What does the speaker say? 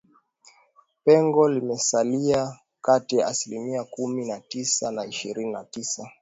Pengo limesalia kati ya asilimia kumi na tisa na ishirini na sita